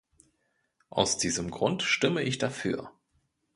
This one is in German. Aus diesem Grund stimme ich dafür.